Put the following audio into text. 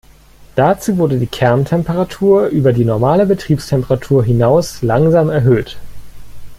Dazu wurde die Kerntemperatur über die normale Betriebstemperatur hinaus langsam erhöht.